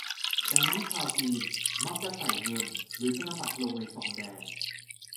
ดังนั้น ชาวจีนมักจะใส่เงิน หรือธนบัตรลงในซองแดง